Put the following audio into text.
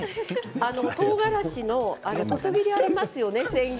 とうがらしの千切りがありますよね。